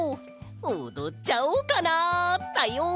おどっちゃおうかなだよ！